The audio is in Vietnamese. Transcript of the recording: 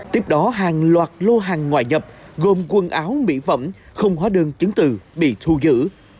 tiếp đó hàng loạt lô hàng ngoại nhập gồm quần áo mỹ phẩm không hóa đơn chứng từ bị thu giữ